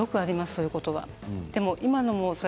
そういうことは。